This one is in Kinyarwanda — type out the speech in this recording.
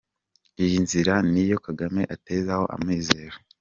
Iyi nzira ni yo Kagame atezeho amizero.